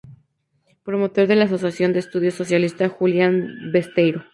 Promotor de la "Asociación de Estudios Socialistas Julián Besteiro".